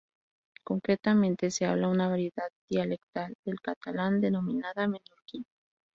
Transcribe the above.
Concretamente, se habla una variedad dialectal del catalán denominada menorquín.